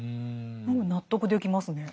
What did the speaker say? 納得できますね。